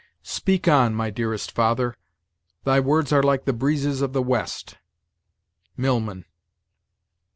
"Speak on, my dearest father! Thy words are like the breezes of the west." Milman.